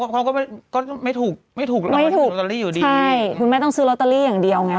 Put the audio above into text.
ตรงสิไม่ถูกไม่ถูกไม่ถูกไม่ต้องซื้อลอตเตอรี่อย่างเดียวไง